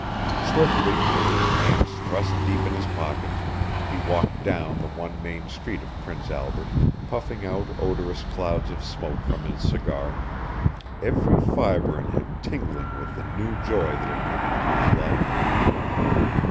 Swiftly, with his hands thrust deep in his pockets, he walked down the one main street of Prince Albert, puffing out odorous clouds of smoke from his cigar, every fiber in him tingling with the new joy that had come into his life.